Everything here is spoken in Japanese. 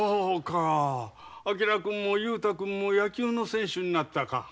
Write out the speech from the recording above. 昭君も雄太君も野球の選手になったか。